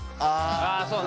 あそうね